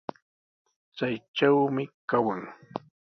Chaytrawmi kawan.